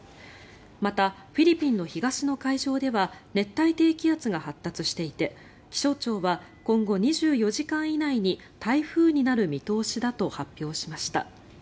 また、フィリピンの東の海上では熱帯低気圧が発達していて気象庁は今後２４時間以内に台風になる見通しだと発表しました。